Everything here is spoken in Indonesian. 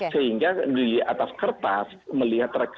sehingga di atas kertas melihat track recordnya